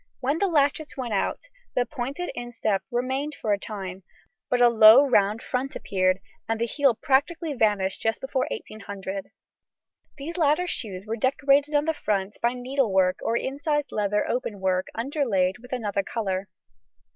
When the latchets went out, the pointed instep remained for a time, but a low round front appeared, and the heel practically vanished just before 1800. These later shoes were decorated on the front by needlework or incised leather openwork underlaid with another colour.